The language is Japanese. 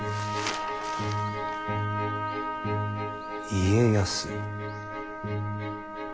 「家康」。